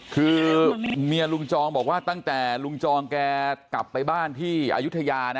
คือเมียลุงจองบอกว่าตั้งแต่ลุงจองแกกลับไปบ้านที่อายุทยานะ